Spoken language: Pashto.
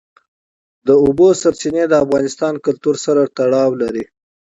د اوبو سرچینې د افغان کلتور سره تړاو لري.